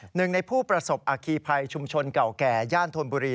หนึ่งในผู้ประสบอคีภัยชุมชนเก่าแก่ย่านธนบุรี